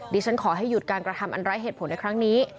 ฉันขอให้หยุดการกระทำอันไร้เหตุผลในครั้งนี้